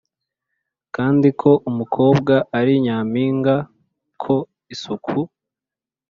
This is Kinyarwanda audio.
kandi ko umukobwa ari nyampinga ko isuku,